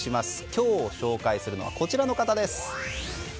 今日ご紹介するのはこちらの方です。